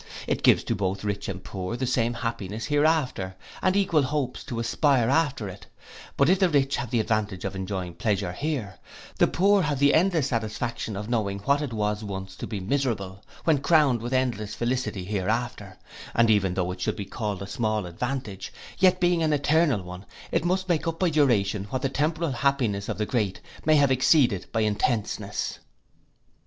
It gives to both rich and poor the same happiness hereafter, and equal hopes to aspire after it; but if the rich have the advantage of enjoying pleasure here, the poor have the endless satisfaction of knowing what it was once to be miserable, when crowned with endless felicity hereafter; and even though this should be called a small advantage, yet being an eternal one, it must make up by duration what the temporal happiness of the great may have exceeded by intenseness.